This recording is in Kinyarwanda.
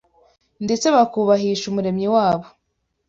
ndetse bakubahisha Umuremyi wabo